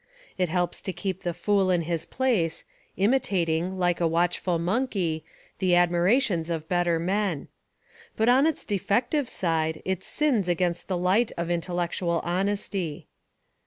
It helps to keep the fool in his place, imitating, like a watch ful monkey, the admirations of better men. But on Its defective side it sins against the light of intellectual honesty.